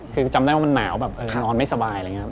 คือจำได้ว่ามันหนาวแบบนอนไม่สบายอะไรอย่างนี้